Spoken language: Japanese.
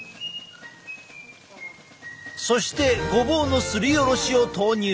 そしてごぼうのすりおろしを投入。